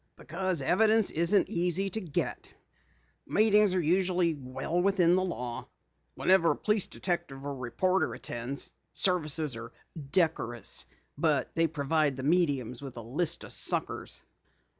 "Because evidence isn't easy to get. The meetings usually are well within the law. Whenever a police detective or a reporter attends, the services are decorous. But they provide the mediums with a list of suckers."